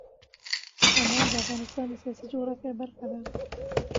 انار د افغانستان د سیاسي جغرافیه برخه ده.